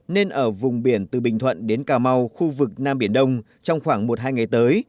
nên ở vùng biển từ bình thuận đến cà mau khu vực nam biển đông trong khoảng một hai ngày tới